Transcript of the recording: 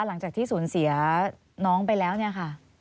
หลังจากที่สูญเสียน้องไปแล้วเนี่ยค่ะ